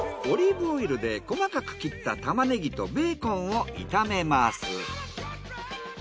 オリーブオイルで細かく切ったタマネギとベーコンを炒めます。